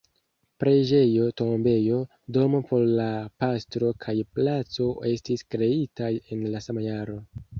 Preĝejo, tombejo, domo por la pastro kaj placo estis kreitaj en la sama jaro.